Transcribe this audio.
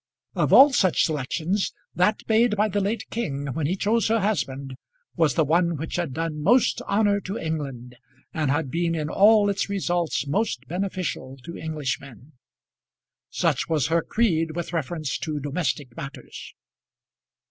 Of all such selections, that made by the late king when he chose her husband, was the one which had done most honour to England, and had been in all its results most beneficial to Englishmen. Such was her creed with reference to domestic matters.